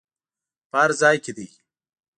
په هر ځای کې دې.